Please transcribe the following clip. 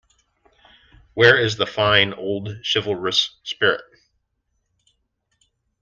Where is the fine, old, chivalrous spirit?